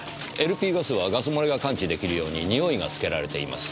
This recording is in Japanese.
ＬＰガスはガス漏れが感知できるようににおいが付けられています。